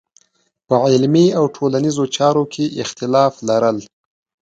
په علمي او ټولنیزو چارو کې اختلاف لرل.